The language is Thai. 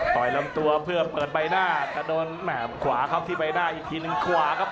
ยลำตัวเพื่อเปิดใบหน้าแต่โดนแหมขวาครับที่ใบหน้าอีกทีหนึ่งขวาครับ